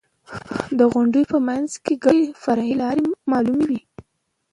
د غونډیو په منځ کې ګڼې فرعي لارې رامعلومې وې.